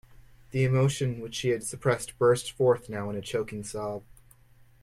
The emotion which she had suppressed burst forth now in a choking sob.